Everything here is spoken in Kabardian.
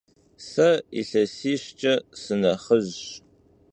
Se yilhesişç'e sınexhıjş.